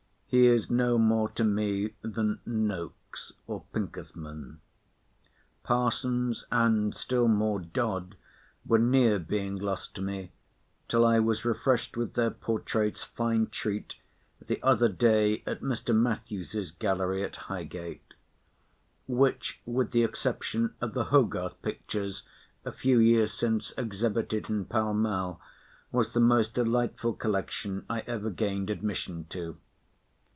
He is no more to me than Nokes or Pinkethman. Parsons, and still more Dodd, were near being lost to me, till I was refreshed with their portraits (fine treat) the other day at Mr. Mathews's gallery at Highgate; which, with the exception of the Hogarth pictures, a few years since exhibited in Pall Mall, was the most delightful collection I ever gained admission to.